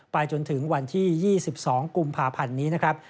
จนถึงวันที่๒๒กุมภาพันธ์นี้นะครับ